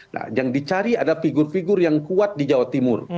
nah yang dicari ada figur figur yang kuat di jawa timur